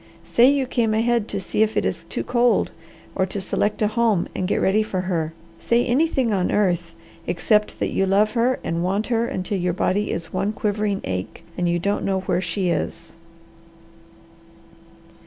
Say you came ahead to see if it is too cold or to select a home and get ready for her. Say anything on earth except that you love her, and want her until your body is one quivering ache, and you don't know where she is."